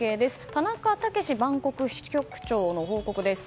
田中剛バンコク支局長の報告です。